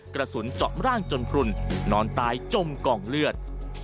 กระสุนเจาะร่างจนพลุนนอนตายจมกองเลือด